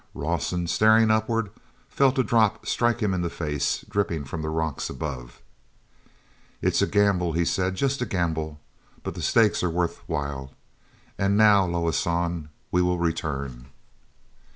Rawson, staring upward, felt a drop strike him in the face, dripping from the rocks above. "It's a gamble," he said, "just a gamble. But the stakes are worth while. And now, Loah San, we will return."